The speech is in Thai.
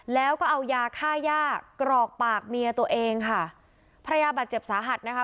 แล้วก็เอายาค่าย่ากรอกปากเมียตัวเองค่ะภรรยาบาดเจ็บสาหัสนะคะ